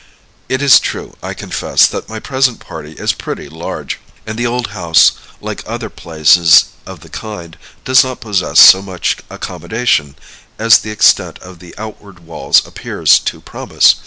It is true, I confess, that my present party is pretty large, and the old house, like other places of the kind, does not possess so much accommodation as the extent of the outward walls appears to promise.